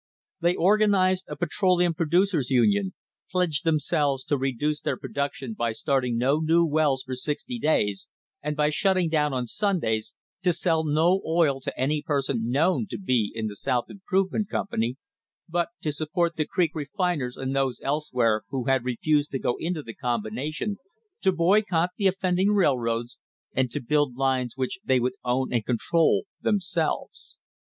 They organised a Petro leum Producers 7 Union,* pledged themselves to reduce their production by starting no new wells for sixty days and by shutting down on Sundays, to sell no oil to any person known to be in the South Improvement Company, but to support the creek refiners and those elsewhere who had refused to go into the combination, to boycott the offending railroads, and to build lines which they would own and control themselves.